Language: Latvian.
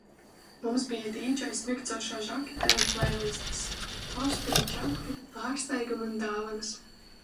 Mums bija dīdžejs mirdzošā žaketē un pleilistes, tosti un čati, pārsteigumi un dāvanas.